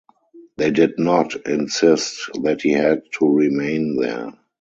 They did not insist that he had to remain there.